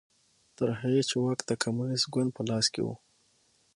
تر هغې چې واک د کمونېست ګوند په لاس کې و